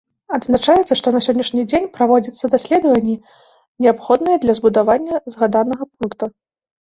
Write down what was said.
Адзначаецца, што на сённяшні дзень праводзяцца даследаванні, неабходныя для збудавання згаданага пункта.